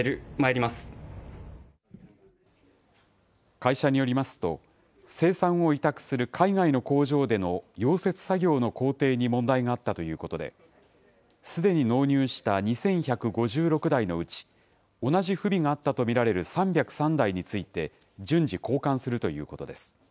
会社によりますと、生産を委託する海外の工場での溶接作業の工程に問題があったということで、すでに納入した２１５６台のうち、同じ不備があったと見られる３０３台について、順次、交換するということです。